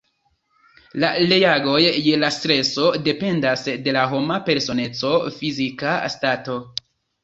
La reagoj je la streso dependas de la homa personeco, fizika stato.